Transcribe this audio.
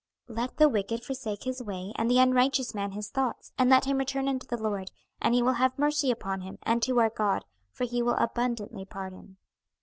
"'Let the wicked forsake his way and the unrighteous man his thoughts, and let him return unto the Lord, and He will have mercy upon him, and to our God, for He will abundantly pardon.'"